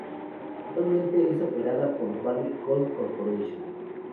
Actualmente, es operada por Barrick Gold Corporation.